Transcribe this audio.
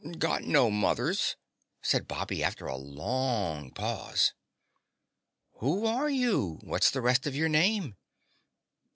"Got no mothers," said Bobby after a long pause. "Who are you? What's the rest of your name?"